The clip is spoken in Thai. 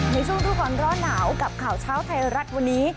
ในช่วงดูก่อนร้อนหนาวกับข่าวเช้าไทยรัฐวันนี้